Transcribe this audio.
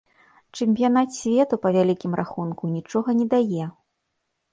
Чэмпіянат свету, па вялікім рахунку, нічога не дае.